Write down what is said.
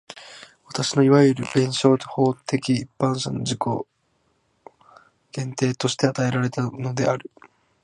私のいわゆる弁証法的一般者の自己限定として与えられるのである。